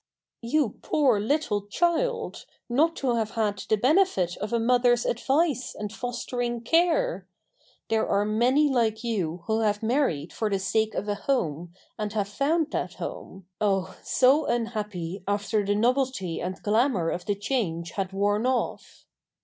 You poor little child, not to have had the benefit of a mother's advice and fostering care! There are many like you who have married for the sake of a home and have found that home—oh, so unhappy after the novelty and glamor of the change had worn off.